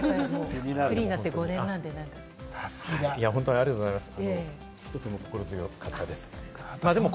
ありがとうございます。